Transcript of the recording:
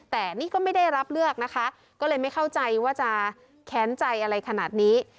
แต่นี่ก็ไม่ได้รับเลือกนะคะก็เลยไม่เข้าใจว่าจะแค้นใจอะไรขนาดนี้